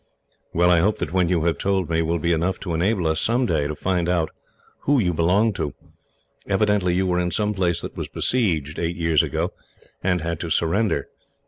"Well, I hope that what you have told me will be enough to enable us, some day, to find out who you belong to. Evidently you were in some place that was besieged, eight years ago, and had to surrender.